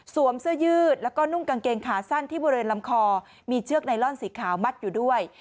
เสื้อยืดแล้วก็นุ่งกางเกงขาสั้นที่บริเวณลำคอมีเชือกไนลอนสีขาวมัดอยู่ด้วย